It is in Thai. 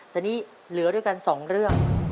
แต่นี่เหลือด้วยกันสองเรื่อง